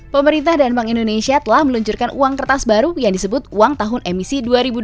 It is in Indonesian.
pemerintah dan bank indonesia telah meluncurkan uang kertas baru yang disebut uang tahun emisi dua ribu dua puluh